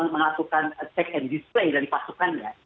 melakukan cek dan display dari pasukannya